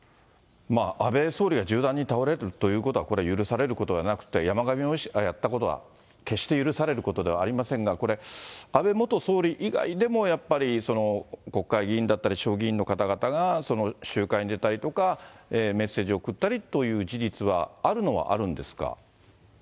安倍総理が銃弾に倒れるということは、これ、許されることじゃなくて、山上容疑者がやったことは、決して許されることではありませんが、これ、安倍元総理以外でもやっぱり、国会議員だったり、地方議員の方々が集会に出たりとか、メッセージを送ったりという事実はあるのはあるんですか？